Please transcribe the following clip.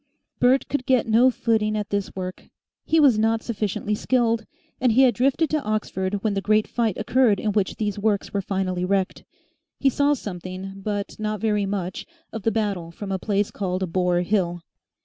Bert could get no footing at this work: he was not sufficiently skilled, and he had drifted to Oxford when the great fight occurred in which these works were finally wrecked. He saw something, but not very much, of the battle from a place called Boar Hill.